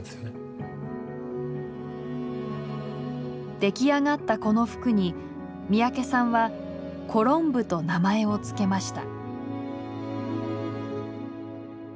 出来上がったこの服に三宅さんは「コロンブ」と名前を付けました。